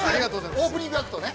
◆オープニングアクトね。